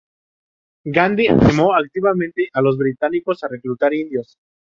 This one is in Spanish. Gandhi animó activamente a los británicos a reclutar indios.